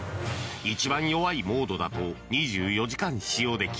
一番弱いモードだと２４時間使用でき